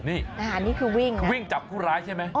นี่นี่คือวิ่งวิ่งจับผู้ร้ายใช่ไหม